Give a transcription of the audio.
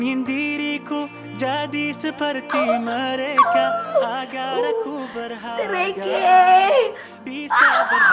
hai ini diriku jadi seperti mereka agar aku berharga bisa berbangga